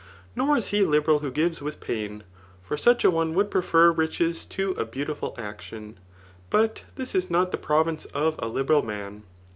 Nor is he libe ral wbo gives mtb pain ;* for such a one would prefer riches to a bea^tiful action ; but this is not the province of a liberal man.